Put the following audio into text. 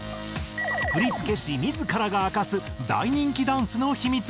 振付師自らが明かす大人気ダンスのヒミツ。